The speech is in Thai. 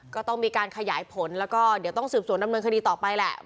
ก็ต้องมีการขยายผลแล้วก็เดี๋ยวต้องสืบสวนดำเนินคดีต่อไปแหละ